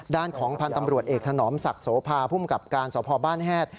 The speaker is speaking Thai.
ด้านของพันธ์ตำรวจเอกถนอมศักดิ์โสภาพภูมิกับการสพบ้านแฮด